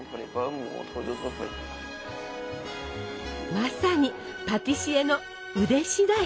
まさにパティシエの腕しだい。